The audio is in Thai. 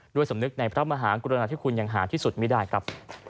ด้วยสมนึกในพระมหากุรณาที่คุณยังหาที่สุดไม่ได้ครับ